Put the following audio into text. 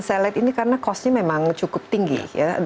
saya lihat ini karena costnya memang cukup tinggi ya